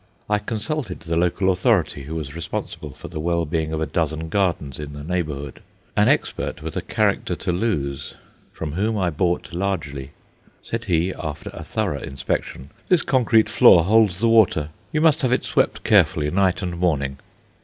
I consulted the local authority who was responsible for the well being of a dozen gardens in the neighbourhood an expert with a character to lose, from whom I bought largely. Said he, after a thorough inspection: "This concrete floor holds the water; you must have it swept carefully night and morning."